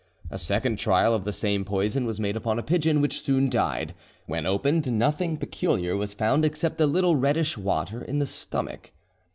A second trial of the same poison was made upon a pigeon, which soon died. When opened, nothing peculiar was found except a little reddish water in the stomach."